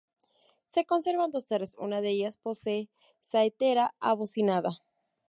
Se conservan dos torres, una de ellas posee saetera abocinada.